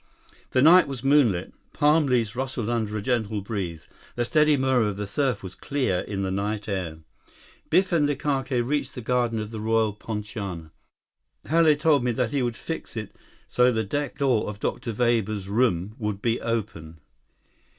The night was moonlit. Palm leaves rustled under a gentle breeze. The steady murmur of the surf was clear in the night air. Biff and Likake reached the garden of the Royal Poinciana. "Hale told me he would fix it so the deck door of Dr. Weber's room would be open.